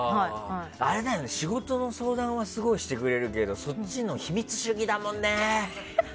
あれだよね、仕事の相談はすごいしてくれるけどそっちは秘密主義だもんね。